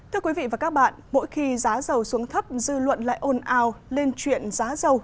thưa quý vị và các bạn mỗi khi giá dầu xuống thấp dư luận lại ồn ào lên chuyện giá dầu